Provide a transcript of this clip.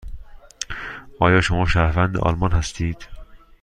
آیا شما شهروند آلمان هستید؟